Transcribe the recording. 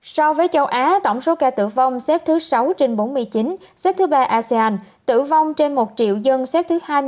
so với châu á tổng số ca tử vong xếp thứ sáu trên bốn mươi chín xếp thứ ba asean tử vong trên một triệu dân xếp thứ hai mươi chín